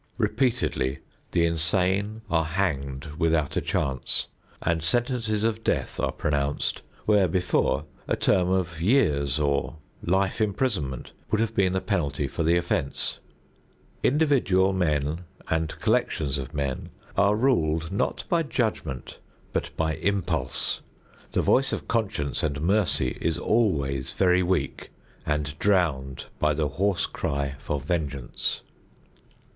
Repeatedly the insane are hanged without a chance, and sentences of death are pronounced, where before, a term of years, or life imprisonment would have been the penalty for the offense. Individual men and collections of men are ruled not by judgment but by impulse; the voice of conscience and mercy is always very weak and drowned by the hoarse cry for vengeance.